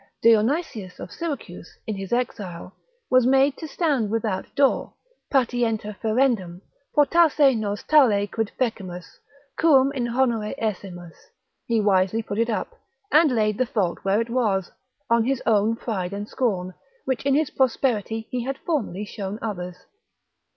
Dionysius of Syracuse, in his exile, was made to stand without door, patienter ferendum, fortasse nos tale quid fecimus, quum in honore essemus, he wisely put it up, and laid the fault where it was, on his own pride and scorn, which in his prosperity he had formerly showed others.